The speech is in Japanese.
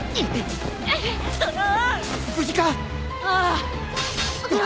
ああ。